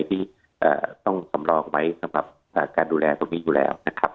ที่ต้องสำรองไว้สำหรับการดูแลตรงนี้อยู่แล้วนะครับ